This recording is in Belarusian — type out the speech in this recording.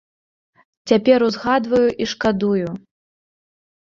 Цяпер узгадваю і шкадую.